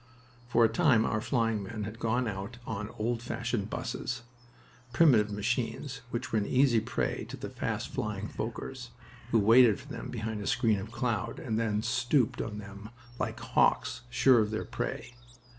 For a time our flying men had gone out on old fashioned "buses" primitive machines which were an easy prey to the fast flying Fokkers who waited for them behind a screen of cloud and then "stooped" on them like hawks sure of their prey.